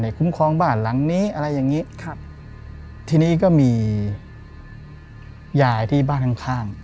คุ้มครองบ้านหลังนี้อะไรอย่างงี้ครับทีนี้ก็มียายที่บ้านข้างข้าง